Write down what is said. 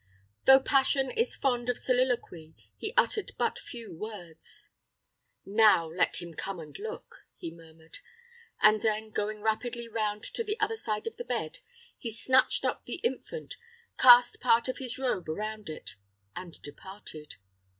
Though passion is fond of soliloquy, he uttered but few words. "Now let him come and look," he murmured; and then going rapidly round to the other side of the bed, he snatched up the infant, cast part of his robe around it, and departed.